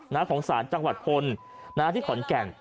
ของศาลจังหวัดพลนะฮะที่ขอนแก่น